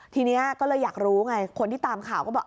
ทีนี้ก็เลยอยากรู้ไงคนที่ตามข่าวก็บอก